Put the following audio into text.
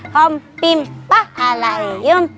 hom pim pah alayum